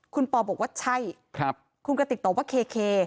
คุณปอบอกว่าใช่คุณกติกตอบว่าเค